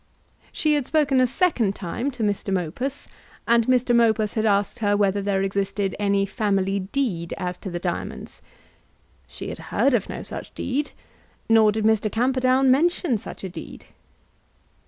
She had spoken a second time to Mr. Mopus, and Mr. Mopus had asked her whether there existed any family deed as to the diamonds. She had heard of no such deed, nor did Mr. Camperdown mention such a deed.